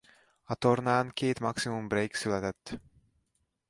A tornán két maximum break született.